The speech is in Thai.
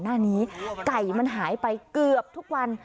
หน้านี้ไก่มันหายไปเกือบทุกวัน